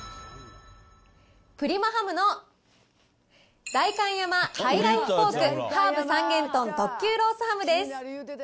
プリマハムの代官山ハイライフポークハーブ三元豚特級ロースハムです。